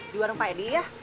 di warung pak edi ya